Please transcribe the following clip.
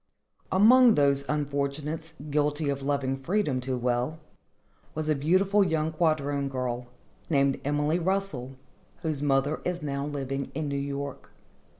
Among those unfortunates guilty of loving freedom too well, was a beautiful young quadroon girl, named Emily Russell, whose mother is now living in New York.